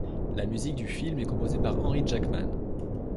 La musique du film est composée par Henry Jackman.